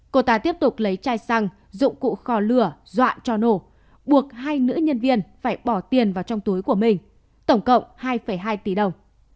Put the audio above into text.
cô ta tiếp tục lấy chai xăng dụng cụ khò lửa dọa cho nổ buộc hai nữ nhân viên phải bỏ tiền vào trong túi của mình tổng cộng hai hai tỷ đồng